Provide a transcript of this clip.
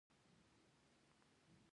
له څه وخته را په دې خوا تر فشار لاندې دی.